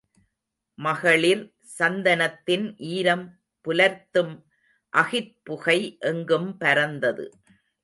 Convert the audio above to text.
மகளிர் சந்தனத்தின் ஈரம் புலர்த்தும் அகிற்புகை எங்கும் பரந்தது.